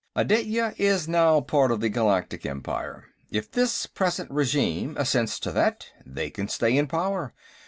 Aditya is now a part of the Galactic Empire. If this present regime assents to that, they can stay in power.